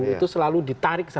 itu selalu ditarik